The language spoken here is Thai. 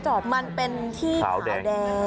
เพราะจอดมันเป็นที่ขาวแดง